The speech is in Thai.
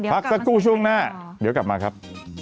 พักสักครู่ช่วงหน้าเดี๋ยวกลับมาครับ